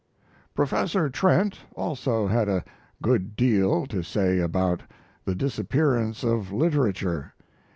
Professor Trent also had a good deal to say about the disappearance of literature.